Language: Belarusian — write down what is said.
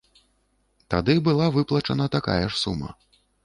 Тады была выплачана такая ж сума.